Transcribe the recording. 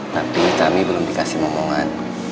tapi kami belum dikasih ngomongan